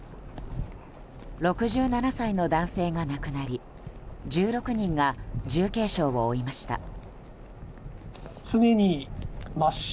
６７歳の男性が亡くなり１６人が重軽傷を負いました。